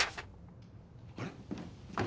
あれ？